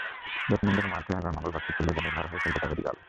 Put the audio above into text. ডর্টমুন্ডের মাঠে আগামী মঙ্গলবার ফিরতি লেগে নির্ভার হয়েই খেলতে যাবে রিয়াল।